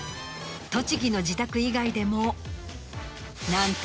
栃木の自宅以外でも何と。